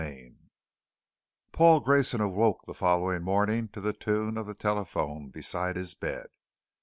CHAPTER 3 Paul Grayson awoke the following morning to the tune of the telephone beside his bed.